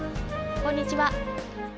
こんにちは。